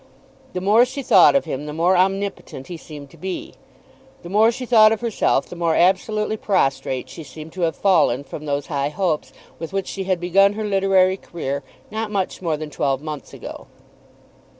The more she thought of him, the more omnipotent he seemed to be. The more she thought of herself, the more absolutely prostrate she seemed to have fallen from those high hopes with which she had begun her literary career not much more than twelve months ago.